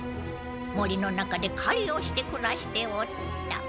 森の中で狩りをして暮らしておった。